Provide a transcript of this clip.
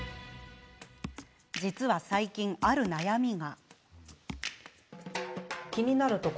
実は最近、ある悩みが。